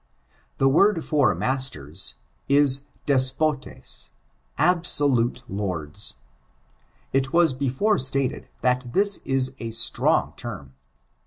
The word for masters, is despotot — absolute lords. It was before stated, that this is a strong term.